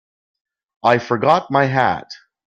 I forgot my hat.